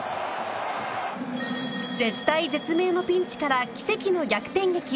絶体絶命のピンチから奇跡の逆転劇。